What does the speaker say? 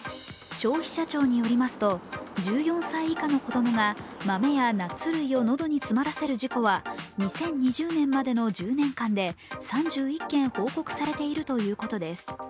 消費者庁によりますと１４歳以下の子供が豆やナッツ類を喉に詰まらせる事故は２０２０年までの１０年間で３１件報告されているということです。